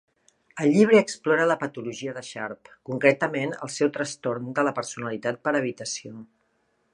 El llibre explora la patologia de Sharpe, concretament el seu trastorn de la personalitat per evitació.